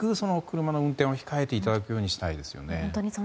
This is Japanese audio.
車の運転を控えていただくようにしたいですよね。